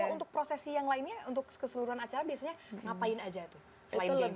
kalau untuk proses yang lainnya untuk keseluruhan acara biasanya ngapain aja tuh selain games